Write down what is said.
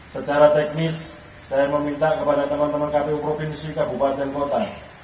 secara teknis saya meminta kepada teman teman kpu provinsi kabupaten kota